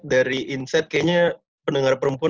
dari insight kayaknya pendengar perempuan